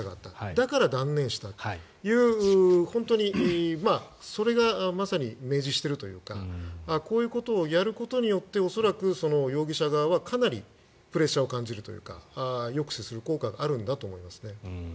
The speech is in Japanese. だから断念したという本当にそれがまさに明示しているというかこういうことをやることによって恐らく、容疑者側はかなりプレッシャーを感じるというか抑止する効果があるんだと思いますね。